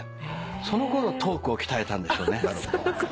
そのころトークを鍛えたんでしょうね。